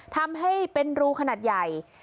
ทำให้เป็นรูขนาดใหญ่